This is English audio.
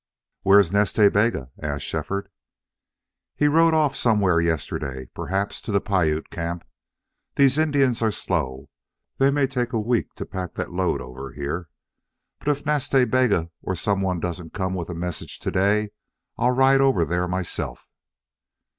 "Where's Nas Ta Bega?" asked Shefford. "He rode off somewhere yesterday. Perhaps to the Piute camp. These Indians are slow. They may take a week to pack that load over here. But if Nas Ta Bega or some one doesn't come with a message to day I'll ride over there myself."